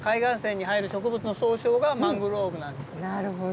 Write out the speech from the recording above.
なるほど。